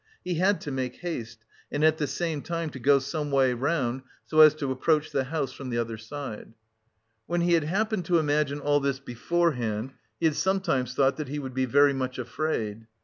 He had to make haste and at the same time to go someway round, so as to approach the house from the other side.... When he had happened to imagine all this beforehand, he had sometimes thought that he would be very much afraid.